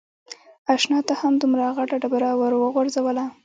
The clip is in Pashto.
اشنا تا هم دومره غټه ډبره ور و غورځوله.